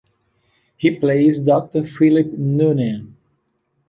He plays Doctor Philip Noonan.